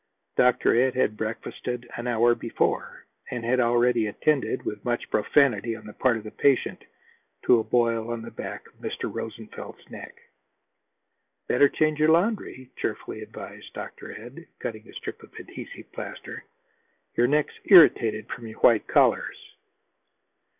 Dr. Ed had breakfasted an hour before, and had already attended, with much profanity on the part of the patient, to a boil on the back of Mr. Rosenfeld's neck. "Better change your laundry," cheerfully advised Dr. Ed, cutting a strip of adhesive plaster. "Your neck's irritated from your white collars."